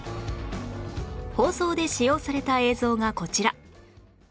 放送で使用された映像がこちら